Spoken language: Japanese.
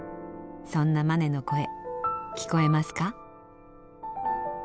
そんなマネの声聞こえますか？